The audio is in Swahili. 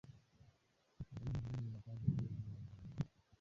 Dalili nyingine ya mapele ya ngozi kwa ngombe ni kutiririsha makamasi mazito